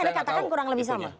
anda katakan kurang lebih sama